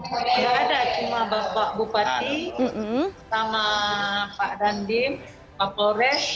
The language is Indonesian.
gak ada cuma bapak bupati sama pak randim pak flores